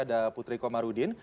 ada putri komarudin